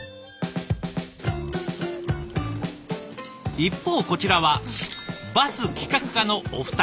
一方こちらはバス企画課のお二人。